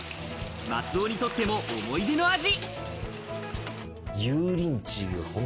松尾にとっても思い出の味。